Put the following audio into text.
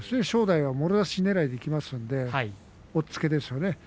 正代はもろ差しねらいでいきますので押っつけですよね。